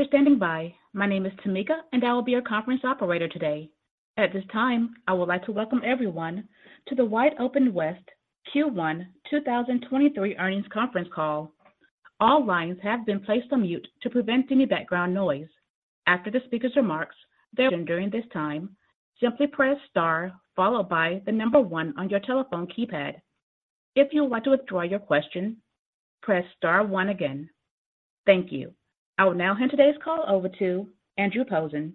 Thank you for standing by. My name is Tamika, and I will be your conference operator today. At this time, I would like to welcome everyone to the WideOpenWest Q1 2023 earnings conference call. All lines have been placed on mute to prevent any background noise. After the speaker's remarks, During this time, simply press star followed by the number one on your telephone keypad. If you want to withdraw your question, press star one again. Thank you. I will now hand today's call over to Andrew Posen,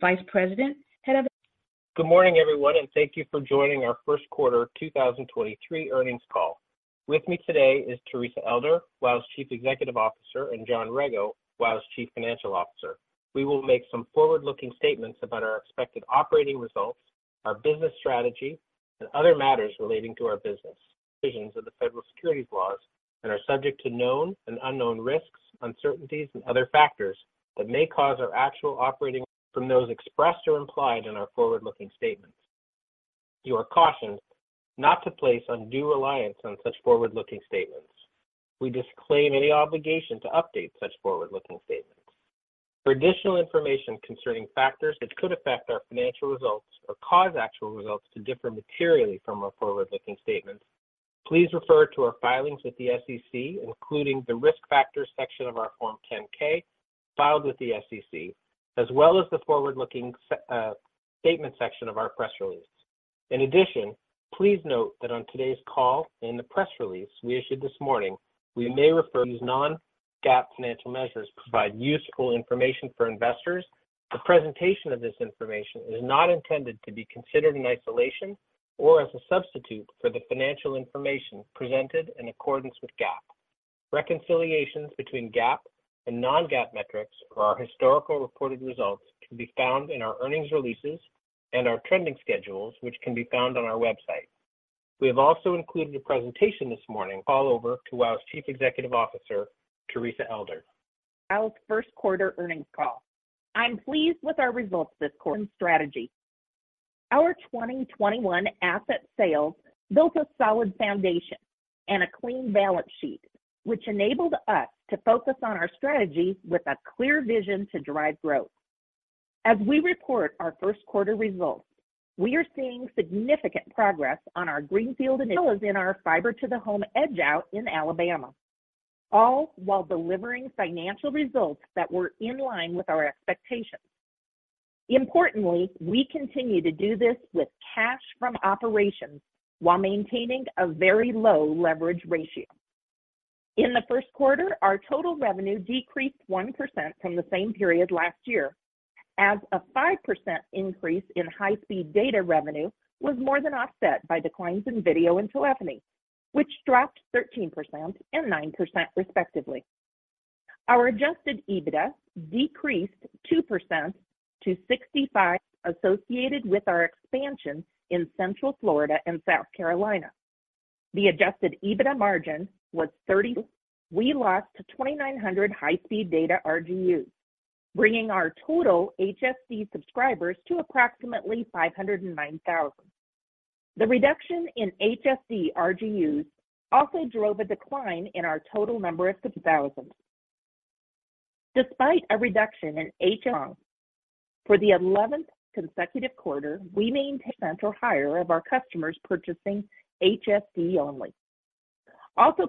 Vice President, Head of Investor Relations. Good morning, everyone. Thank you for joining our first quarter 2023 earnings call. With me today is Teresa Elder, WOW's Chief Executive Officer, and John Rego, WOW's Chief Financial Officer. We will make some forward-looking statements about our expected operating results, our business strategy, and other matters relating to our business. Provisions of the federal securities laws and are subject to known and unknown risks, uncertainties and other factors that may cause our actual from those expressed or implied in our forward-looking statements. You are cautioned not to place undue reliance on such forward-looking statements. We disclaim any obligation to update such forward-looking statements. For additional information concerning factors that could affect our financial results or cause actual results to differ materially from our forward-looking statements, please refer to our filings with the SEC, including the Risk Factors section of our Form 10-K filed with the SEC, as well as the forward-looking statement section of our press release. In addition, please note that on today's call in the press release we issued this morning, These non-GAAP financial measures provide useful information for investors. The presentation of this information is not intended to be considered in isolation or as a substitute for the financial information presented in accordance with GAAP. Reconciliations between GAAP and non-GAAP metrics for our historical reported results can be found in our earnings releases and our trending schedules, which can be found on our website. We have also included a presentation. Call over to WOW's Chief Executive Officer, Teresa Elder. WOW's first quarter earnings call. I'm pleased with our results this quarter strategy. Our 2021 asset sales built a solid foundation and a clean balance sheet, which enabled us to focus on our strategy with a clear vision to drive growth. As we report our first quarter results, we are seeing significant progress on our greenfield initiatives in our Fiber to the Home Edge-Out in Alabama, all while delivering financial results that were in line with our expectations. Importantly, we continue to do this with cash from operations while maintaining a very low leverage ratio. In the first quarter, our total revenue decreased 1% from the same period last year, as a 5% increase in high-speed data revenue was more than offset by declines in video and telephony, which dropped 13% and 9% respectively. Our Adjusted EBITDA decreased 2% to $65 million associated with our expansion in Central Florida and South Carolina. The Adjusted EBITDA margin was 30%. We lost 2,900 High-Speed Data RGUs, bringing our total HSD subscribers to approximately 509,000. The reduction in HSD RGUs also drove a decline in our total number of 6,000. For the 11th consecutive quarter, we maintain 10% or higher of our customers purchasing HSD only.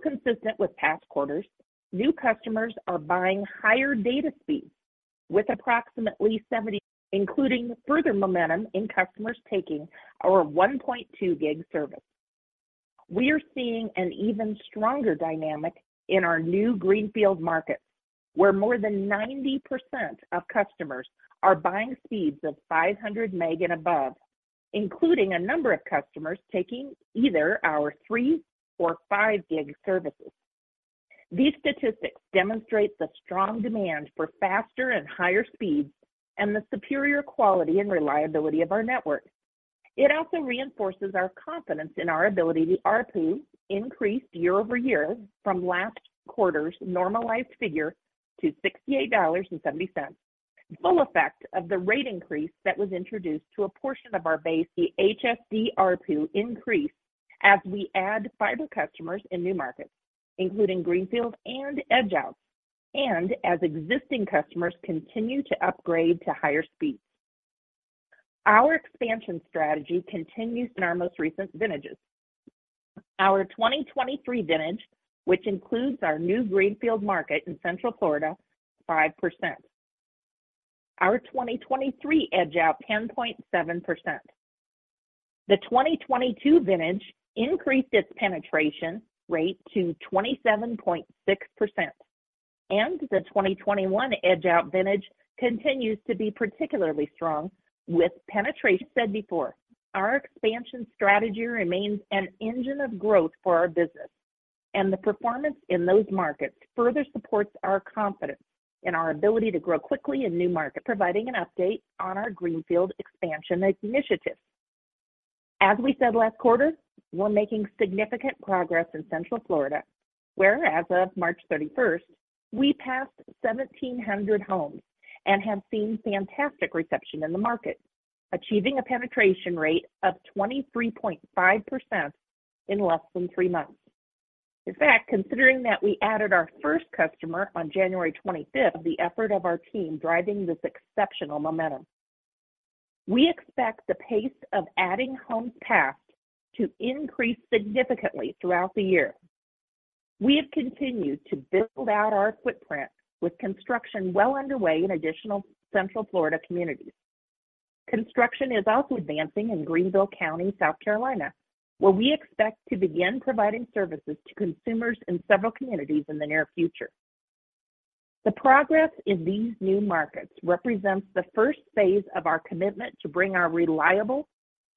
Consistent with past quarters, new customers are buying higher data speeds, including further momentum in customers taking our 1.2 G service. We are seeing an even stronger dynamic in our new greenfield markets, where more than 90% of customers are buying speeds of 500 mbps and above, including a number of customers taking either our 3 Gbps or 5 Gbps services. These statistics demonstrate the strong demand for faster and higher speeds and the superior quality and reliability of our network. It also reinforces our confidence in our ability to-- ARPU increased year-over-year from last quarter's normalized figure to $68.70. Full effect of the rate increase that was introduced to a portion of our base-- the HSD ARPU increase as we add fiber customers in new markets, including greenfield and Edge-Out, and as existing customers continue to upgrade to higher speeds. Our expansion strategy continues in our most recent vintages. Our 2023 vintage, which includes our new greenfield market in Central Florida, 5%. Our 2023 Edge-Out, 10.7%. The 2022 vintage increased its penetration rate to 27.6%, and the 2021 Edge-Out vintage continues to be particularly strong, with As I said before, our expansion strategy remains an engine of growth for our business, and the performance in those markets further supports our confidence in our ability to grow quickly in new markets. Providing an update on our greenfield expansion initiatives. As we said last quarter, we're making significant progress in Central Florida, where as of March 31st, we passed 1,700 homes and have seen fantastic reception in the market, achieving a penetration rate of 23.5% in less than three months. Considering that we added our first customer on January 25th, the effort of our team driving this exceptional momentum. We expect the pace of adding home passed to increase significantly throughout the year. We have continued to build out our footprint with construction well underway in additional Central Florida communities. Construction is also advancing in Greenville County, South Carolina, where we expect to begin providing services to consumers in several communities in the near future. The progress in these new markets represents the first phase of our commitment to bring our reliable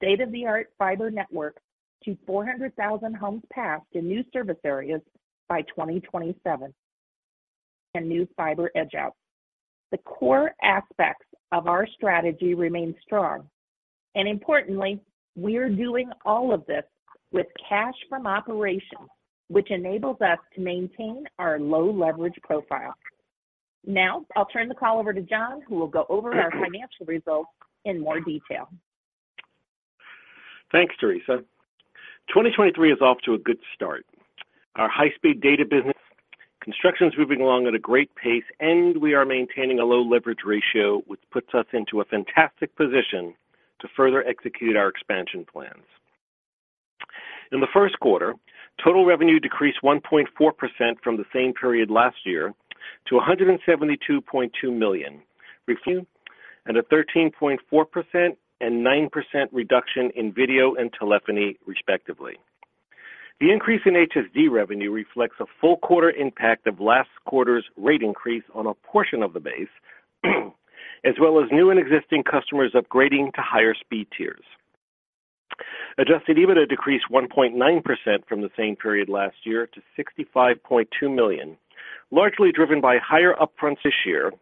state-of-the-art fiber network to 400,000 homes passed in new service areas by 2027. New fiber Edge-Out. The core aspects of our strategy remain strong. Importantly, we are doing all of this with cash from operations, which enables us to maintain our low leverage profile. Now, I'll turn the call over to John, who will go over our financial results in more detail. Thanks, Teresa. 2023 is off to a good start. Our high-speed data business construction is moving along at a great pace, and we are maintaining a low leverage ratio, which puts us into a fantastic position to further execute our expansion plans. In the first quarter, total revenue decreased 1.4% from the same period last year to $172.2 million, and a 13.4% and 9% reduction in video and telephony, respectively. The increase in HSD revenue reflects a full quarter impact of last quarter's rate increase on a portion of the base as well as new and existing customers upgrading to higher speed tiers. Adjusted EBITDA decreased 1.9% from the same period last year to $65.2 million, largely driven by higher upfronts this year,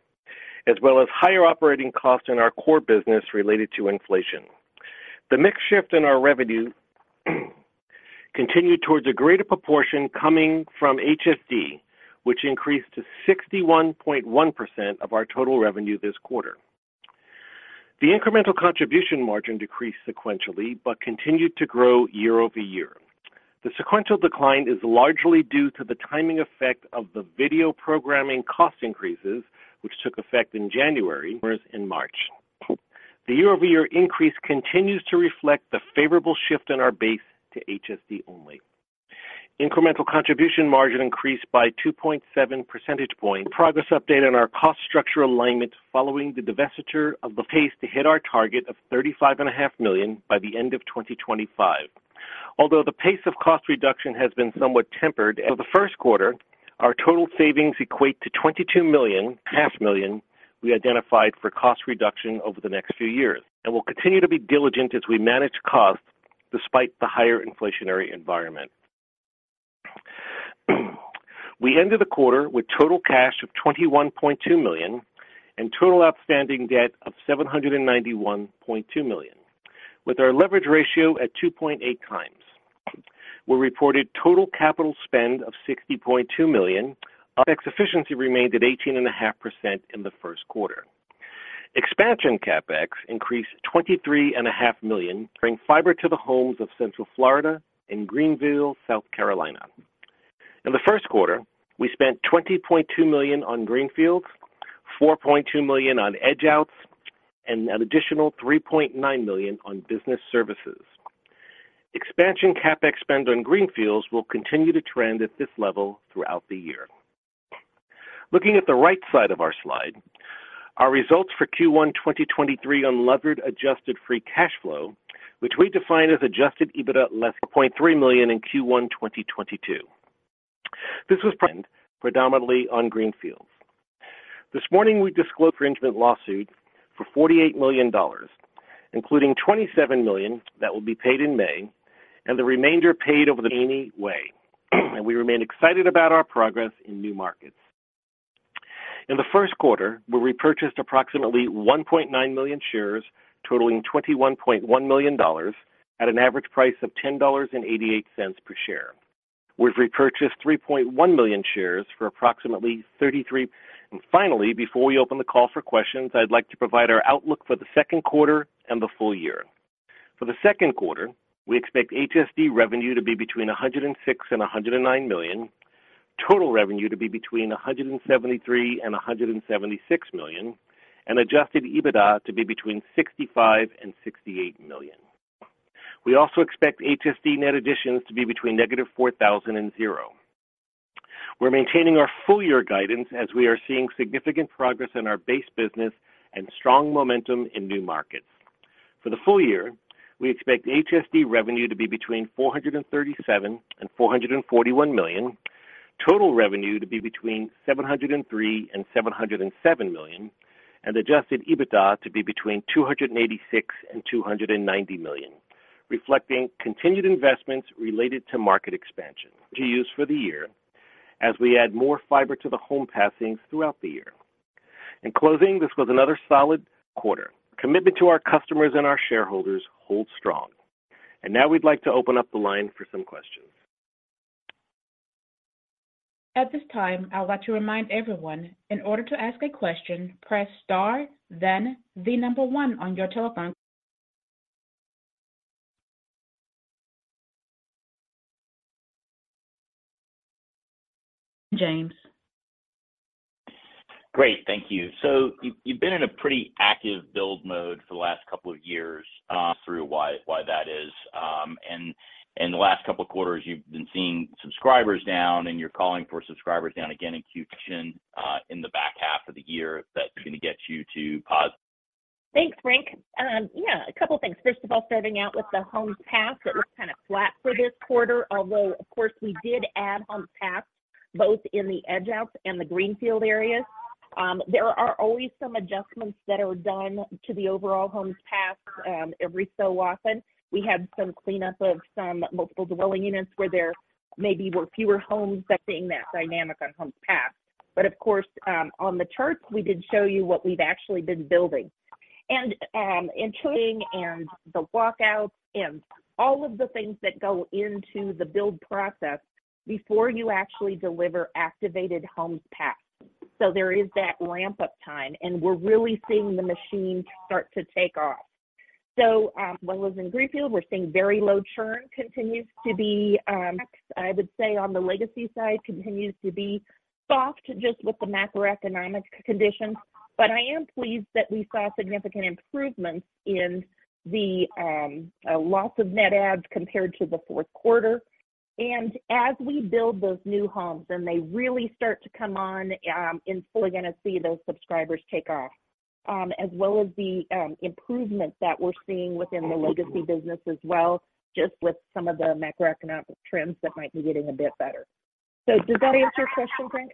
as well as higher operating costs in our core business related to inflation. The mix shift in our revenue continued towards a greater proportion coming from HSD, which increased to 61.1% of our total revenue this quarter. The incremental contribution margin decreased sequentially but continued to grow year-over-year. The sequential decline is largely due to the timing effect of the video programming cost increases, which took effect in January, in March. The year-over-year increase continues to reflect the favorable shift in our base to HSD only. Incremental contribution margin increased by 2.7 percentage points. Progress update on our cost structure alignment following the divestiture of the pace to hit our target of $35.5 million by the end of 2025. The pace of cost reduction has been somewhat tempered. For the first quarter, our total savings equate to $22 million, $500,000 we identified for cost reduction over the next few years. We'll continue to be diligent as we manage costs despite the higher inflationary environment. We ended the quarter with total cash of $21.2 million and total outstanding debt of $791.2 million. With our leverage ratio at 2.8x. We reported total CapEx of $60.2 million. CapEx efficiency remained at 18.5% in the first quarter. Expansion CapEx increased $23.5 million, bring Fiber to the Home of central Florida and Greenville, South Carolina. In the first quarter, we spent $20.2 million on greenfields, $4.2 million on Edge-Outs, and an additional $3.9 million on business services. Expansion CapEx spend on greenfields will continue to trend at this level throughout the year. Looking at the right side of our slide, our results for Q1 2023 unlevered adjusted free cash flow, which we define as Adjusted EBITDA $0.3 million in Q1 2022. This was predominantly on greenfields. This morning we disclosed infringement lawsuit for $48 million, including $27 million that will be paid in May, and the remainder paid any way. We remain excited about our progress in new markets. In the first quarter, we repurchased approximately 1.9 million shares, totaling $21.1 million at an average price of $10.88 per share. We've repurchased 3.1 million shares for approximately. Finally, before we open the call for questions, I'd like to provide our outlook for the second quarter and the full year. For the second quarter, we expect HSD revenue to be between $106 million and $100 million, total revenue to be between $173 million and $176 million, and Adjusted EBITDA to be between $65 million and $68 million. We also expect HSD net additions to be between -4,000 and 0. We're maintaining our full year guidance as we are seeing significant progress in our base business and strong momentum in new markets. For the full year, we expect HSD revenue to be between $437 million and $441 million, total revenue to be between $703 million and $707 million, and Adjusted EBITDA to be between $286 million and $290 million, reflecting continued investments related to market expansion. To use for the year as we add more Fiber to the Home passings throughout the year. In closing, this was another solid quarter. Commitment to our customers and our shareholders holds strong. Now we'd like to open up the line for some questions. At this time, I want to remind everyone, in order to ask a question, press star, then the number one on your telephone. James. Great. Thank you. You've been in a pretty active build mode for the last couple of years, through why that is. In the last couple of quarters, you've been seeing subscribers down, and you're calling for subscribers down again in Q in the back half of the year. That's going to get you to pause. Thanks, Frank. Yeah, a couple of things. First of all, starting out with the homes passed. It was kind of flat for this quarter, although, of course, we did add homes passed both in the Edge-Outs and the greenfield areas. There are always some adjustments that are done to the overall homes passed, every so often. We had some cleanup of some multiple dwelling units where there maybe were fewer homes that being that dynamic on homes passed. Of course, on the charts, we did show you what we've actually been building. Including and the walkouts and all of the things that go into the build process before you actually deliver activated homes passed. There is that ramp up time, and we're really seeing the machine start to take off. As well as in Greenfield, we're seeing very low churn continues to be, I would say on the legacy side continues to be soft just with the macroeconomic conditions. I am pleased that we saw significant improvements in the loss of net adds compared to the fourth quarter. As we build those new homes and they really start to come on, we're going to see those subscribers take off, as well as the improvements that we're seeing within the legacy business as well, just with some of the macroeconomic trends that might be getting a bit better. Does that answer your question, Frank?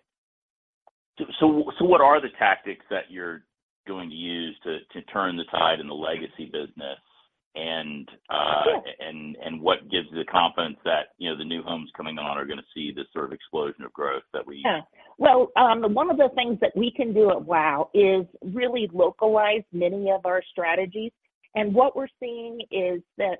What are the tactics that you're going to use to turn the tide in the legacy business? Sure. what gives you the confidence that, you know, the new homes coming on are going to see this sort of explosion of growth? Well, one of the things that we can do at WOW is really localize many of our strategies. What we're seeing is that,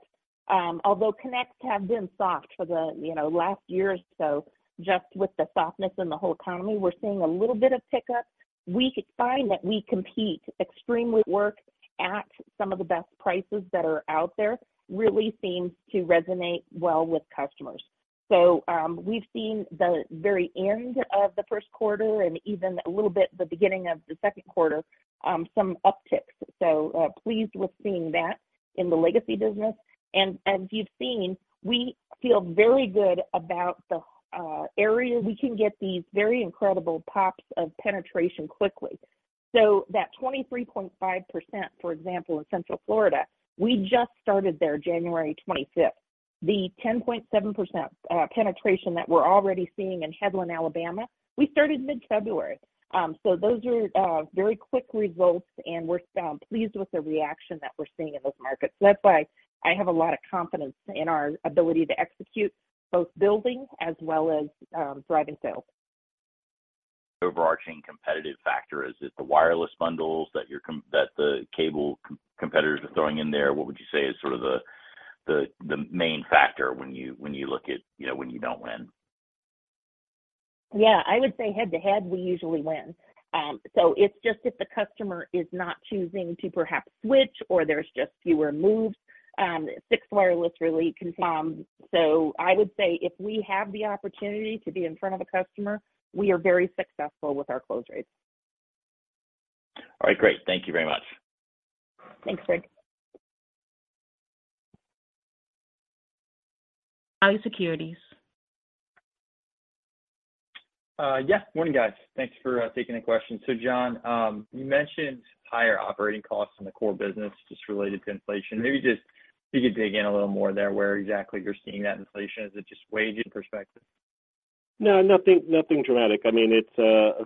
although connects have been soft for the, you know, last year or so, just with the softness in the whole economy, we're seeing a little bit of pickup. We could find that we compete extremely work at some of the best prices that are out there really seems to resonate well with customers. We've seen the very end of the first quarter and even a little bit the beginning of the second quarter, some upticks. Pleased with seeing that in the legacy business. As you've seen, we feel very good about the area. We can get these very incredible pops of penetration quickly. That 23.5%, for example, in Central Florida, we just started there January 25th. The 10.7% penetration that we're already seeing in Headland, Alabama, we started mid-February. Those are very quick results, and we're pleased with the reaction that we're seeing in those markets. That's why I have a lot of confidence in our ability to execute both building as well as driving sales. Overarching competitive factor. Is it the wireless bundles that you're that the cable competitors are throwing in there? What would you say is sort of the main factor when you look at, you know, when you don't win? Yeah, I would say head to head, we usually win. It's just if the customer is not choosing to perhaps switch or there's just fewer moves, fixed wireless really can. I would say if we have the opportunity to be in front of a customer, we are very successful with our close rates. All right, great. Thank you very much. Thanks, Frank. [BMO Securities.] Yes. Morning, guys. Thanks for taking the question. John, you mentioned higher operating costs in the core business just related to inflation. Maybe just if you could dig in a little more there where exactly you're seeing that inflation? Is it just wages perspective? No, nothing dramatic. I mean, it's a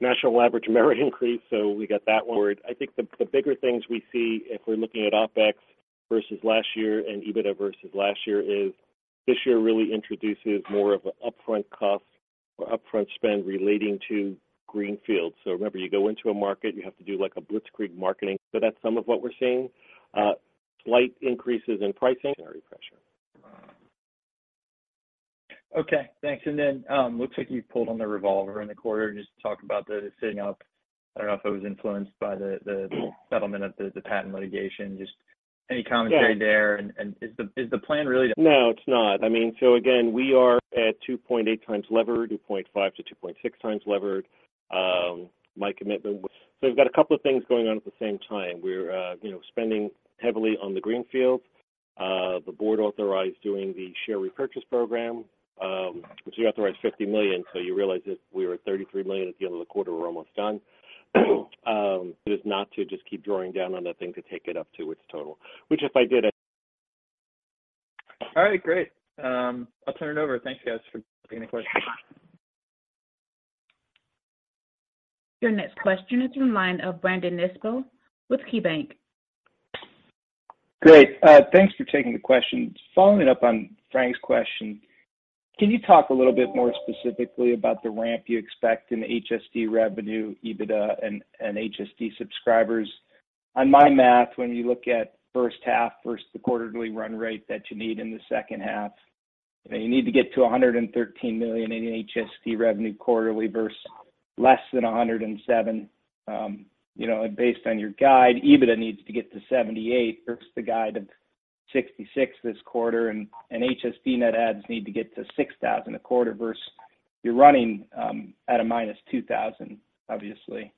national average memory increase. We got that one. I think the bigger things we see if we're looking at OpEx versus last year and EBITDA versus last year is this year really introduces more of an upfront cost or upfront spend relating to greenfield. Remember, you go into a market, you have to do like a blitzkrieg marketing. Slight increases in pricing, salary pressure. Okay, thanks. Looks like you pulled on the revolver in the quarter. Just talk about the setting up. I don't know if it was influenced by the settlement of the patent litigation. Just any commentary there. Yeah. Is the plan really? No, it's not. I mean, again, we are at 2.8x levered, 2.5x to 2.6x levered. We've got a couple of things going on at the same time. We're, you know, spending heavily on the greenfield. The board authorized doing the share repurchase program, which we authorized $50 million. You realize that we were at $33 million at the end of the quarter. We're almost done. It is not to just keep drawing down on that thing to take it up to its total, which if I did it. All right, great. I'll turn it over. Thank you guys for taking the questions. Your next question is from the line of Brandon Nispel with KeyBanc. Great. Thanks for taking the question. Following up on Frank's question, can you talk a little bit more specifically about the ramp you expect in HSD revenue, EBITDA and HSD subscribers? On my math, when you look at first half versus the quarterly run rate that you need in the second half. You need to get to $113 million in HSD revenue quarterly versus less than $107 million, you know, based on your guide, EBITDA needs to get to $78 million versus the guide of $66 million this quarter. HSD net adds need to get to 6,000 a quarter versus you're running at a minus 2,000, obviously.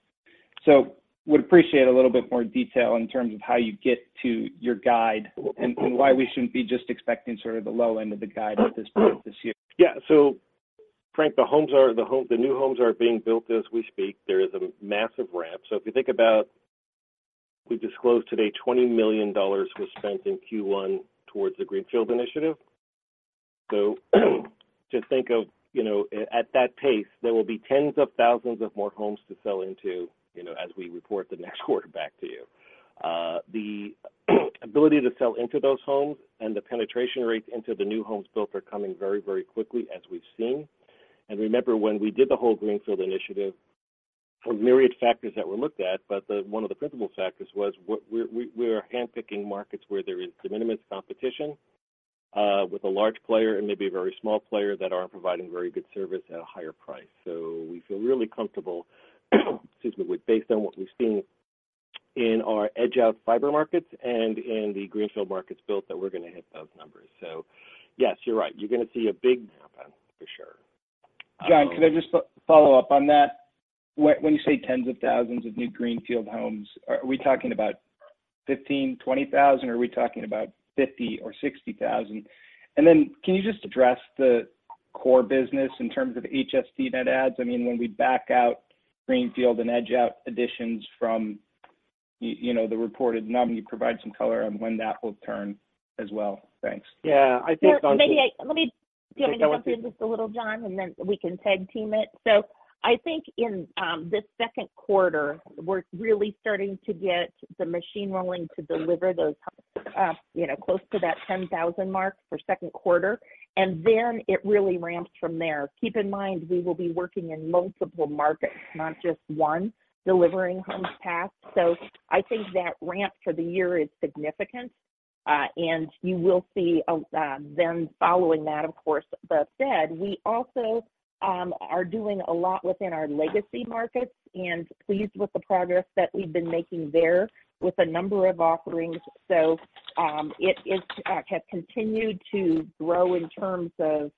Would appreciate a little bit more detail in terms of how you get to your guide and why we shouldn't be just expecting sort of the low end of the guide at this point this year? Yeah. Frank, the new homes are being built as we speak. There is a massive ramp. If you think about we disclosed today $20 million was spent in Q1 towards the greenfield initiative. Just think of, you know, at that pace, there will be tens of thousands of more homes to sell into, you know, as we report the next quarter back to you. The ability to sell into those homes and the penetration rates into the new homes built are coming very quickly as we've seen. Remember when we did the whole greenfield initiative, there were myriad factors that were looked at, but one of the principal factors was we are handpicking markets where there is de minimis competition with a large player and maybe a very small player that aren't providing very good service at a higher price. We feel really comfortable, excuse me, with based on what we've seen in our Edge-Out fiber markets and in the greenfield markets built that we're gonna hit those numbers. Yes, you're right, you're gonna see a big ramp up for sure. John, could I just follow up on that? When you say tens of thousands of new greenfield homes, are we talking about 15,000, 20,000 or are we talking about 50,000 or 60,000? Can you just address the core business in terms of HSD net adds? I mean, when we back out greenfield and EdgeOut additions from you know, the reported number, can you provide some color on when that will turn as well? Thanks. Yeah. Maybe do you want me to jump in just a little, John, then we can tag team it. I think in this second quarter, we're really starting to get the machine rolling to deliver those, you know, close to that 10,000 mark for second quarter, then it really ramps from there. Keep in mind, we will be working in multiple markets, not just one, delivering homes passed. I think that ramp for the year is significant, you will see them following that, of course, the fed. We also are doing a lot within our legacy markets and pleased with the progress that we've been making there with a number of offerings. It is, have continued to grow in terms of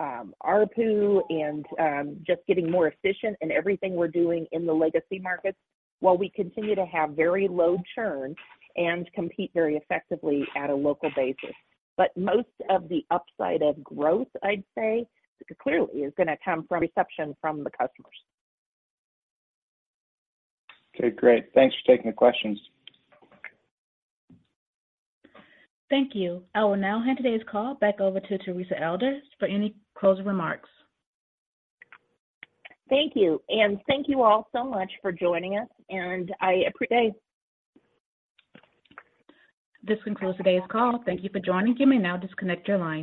ARPU and just getting more efficient in everything we're doing in the legacy markets while we continue to have very low churn and compete very effectively at a local basis. Most of the upside of growth, I'd say, clearly is gonna come from reception from the customers. Okay, great. Thanks for taking the questions. Thank you. I will now hand today's call back over to Teresa Elder for any closing remarks. Thank you. Thank you all so much for joining us, and I appreciate... This concludes today's call. Thank you for joining. You may now disconnect your line.